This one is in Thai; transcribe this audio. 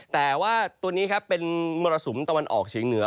แต่ว่าตัวนี้ครับเป็นมรสุมตะวันออกเฉียงเหนือ